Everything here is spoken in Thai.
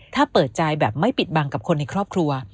ถ้าเปิดใจแบบไม่ปิดบังกับคนในครอบครัว